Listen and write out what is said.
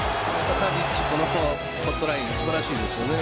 タディッチこのホットライン素晴らしいですよね。